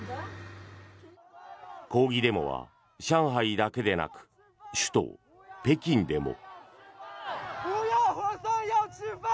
抗議デモは上海だけでなく首都・北京でも。